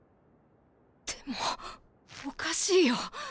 でもおかしいよ。